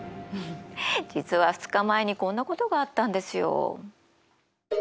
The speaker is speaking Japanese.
実は２日前にこんなことがあったんですよ。